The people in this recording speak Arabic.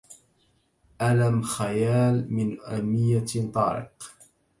ألم خيال من أميمة طارق